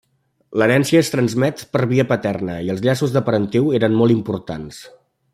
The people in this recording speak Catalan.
L'herència es transmet per via paterna, i els llaços de parentiu eren molt importants.